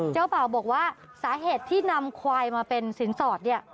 เจ้าเป่าบอกว่าสาเหตุที่นำควายมาเป็นศิลป์สอด